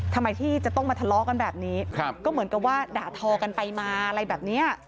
ทำไมที่จะต้องมาทะเลาะกันแบบนี้ก็เหมือนกับว่าด่าทอกันไปมาอะไรแบบเนี้ย